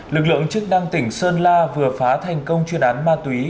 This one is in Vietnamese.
lực lượng chức năng tỉnh sơn la vừa phá thành công chuyên án ma túy